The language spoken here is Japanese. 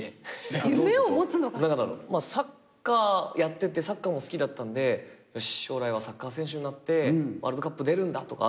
サッカーやっててサッカーも好きだったんで将来はサッカー選手になってワールドカップ出るんだとか。